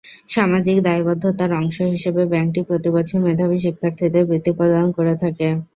সামাজিক দায়বদ্ধতার অংশ হিসেবে ব্যাংকটি প্রতি বছর মেধাবী শিক্ষার্থীদের বৃত্তি প্রদান করে থাকে।